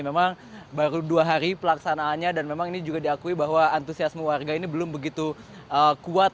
memang baru dua hari pelaksanaannya dan memang ini juga diakui bahwa antusiasme warga ini belum begitu kuat